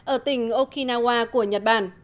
ở tỉnh okinawa